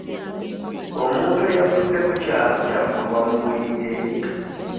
Omuntu eyafudde ku kyalo kyammwe wamuwulidde?